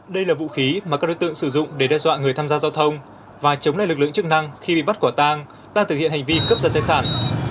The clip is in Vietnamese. đây là vũ khí mà các đối tượng sử dụng để đe dọa người tham gia giao thông và chống lại lực lượng chức năng khi bị bắt quả tang đang thực hiện hành vi cướp giật tài sản